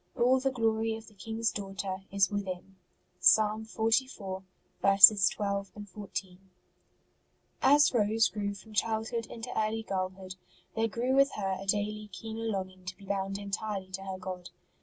... All the glory of the King s daughter is within. Ps. xliv. 12, 14. ]S Rose grew from childhood into early girlhood, there grew with her a daily keener longing to be bound entirely to her God.